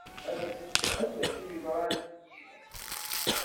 Ad as-d-isefhem d acu yeḍran d yid-s.